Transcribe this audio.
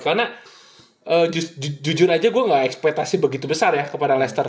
karena jujur aja gue gak ekspetasi begitu besar ya kepada leicester